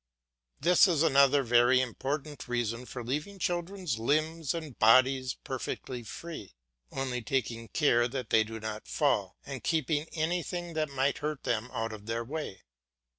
This is another very important reason for leaving children's limbs and bodies perfectly free, only taking care that they do not fall, and keeping anything that might hurt them out of their way.